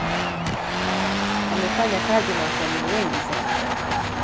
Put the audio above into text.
Amefanya kazi na wasanii wengi sana.